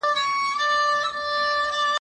د خپلې خاورې دروېش دی